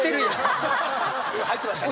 入ってましたね。